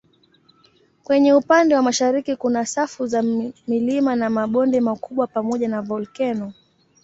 Kwenye upande wa mashariki kuna safu za milima na mabonde makubwa pamoja na volkeno.